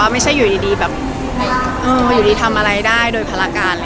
ไม่ใช่อยู่ดีทำอะไรได้โดยภารการ